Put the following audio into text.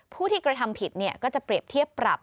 ผู้ที่กระทำผิดก็จะเปรียบเทียบปรับ